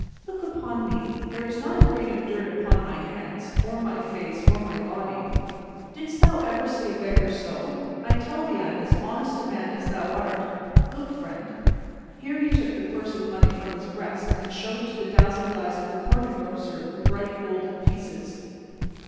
Look upon me. There is not a grain of dirt upon my hands or my face or my body. Didst thou ever see a beggar so? I tell thee I am as honest a man as thou art. Look, friend." Here he took the purse of money from his breast and showed to the dazzled eyes of the Corn Engrosser the bright golden pieces.